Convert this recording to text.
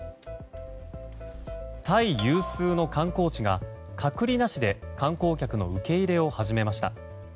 タイ有数の観光地が隔離なしで観光客の受け入れを始めました。